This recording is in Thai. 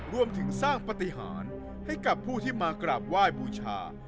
รวมถึงสร้างปฏิหารให้กับผู้ที่มากราบไหว้บูชา